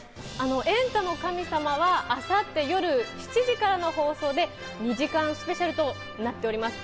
『エンタの神様』は明後日、夜７時からの放送で、２時間スペシャルとなっております。